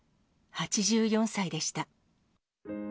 ８４歳でした。